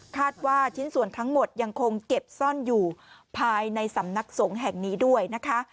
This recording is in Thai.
ชิ้นส่วนทั้งหมดยังคงเก็บซ่อนอยู่ภายในสำนักสงฆ์แห่งนี้ด้วยนะคะ